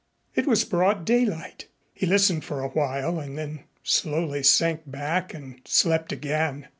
It was broad daylight. He listened for a while and then slowly sank back and slept again.